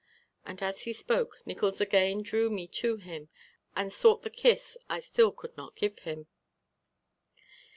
And as he spoke Nickols again drew me to him and sought the kiss I still could not give him.